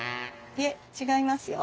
いえ違いますよ。